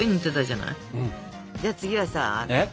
じゃあ次はさ。えっ？